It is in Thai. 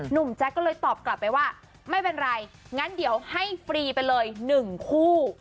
แจ๊กก็เลยตอบกลับไปว่าไม่เป็นไรงั้นเดี๋ยวให้ฟรีไปเลย๑คู่